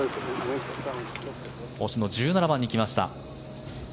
星野、１７番に来ました。